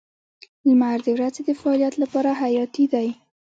• لمر د ورځې د فعالیت لپاره حیاتي دی.